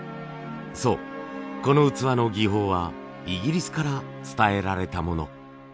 そうこの器の技法はイギリスから伝えられたもの。